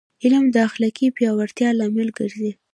علم د اخلاقي پیاوړتیا لامل ګرځي.